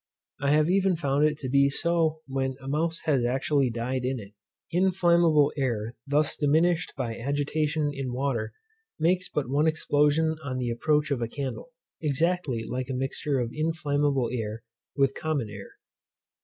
I have even found it to be so when a mouse has actually died in it. Inflammable air thus diminished by agitation in water, makes but one explosion on the approach of a candle, exactly like a mixture of inflammable air with common air.